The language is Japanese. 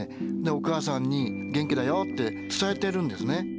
お母さんに「元気だよ」って伝えてるんですね。